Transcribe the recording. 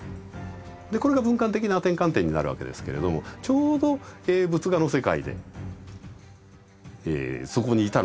これが文化的な転換点になるわけですけれどもちょうど仏画の世界でそこにいたのが明兆ということになります。